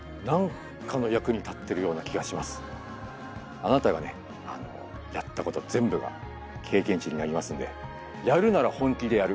あなたがねやったこと全部が経験値になりますんでやるなら本気でやる。